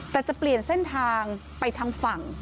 แต่จะเปลี่ยนเส้นทางไปทางฝั่ง